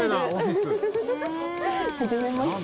はじめまして。